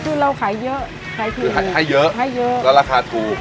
คือเราขายเยอะคือให้เยอะแล้วราคาถูก